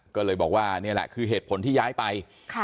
ก็เลยบอกว่านี่แหละคือเหตุผลที่ย้ายไป